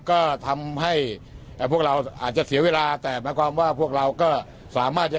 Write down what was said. ก็ทำให้พวกเราอาจจะเสียเวลาแต่หมายความว่าพวกเราก็สามารถจะ